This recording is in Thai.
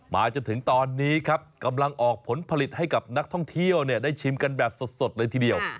จนถึงตอนนี้ครับกำลังออกผลผลิตให้กับนักท่องเที่ยวได้ชิมกันแบบสดเลยทีเดียว